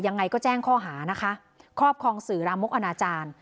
ยังไงก็แจ้งข้อหานะคะครอบครองสื่อรามกอนาจารย์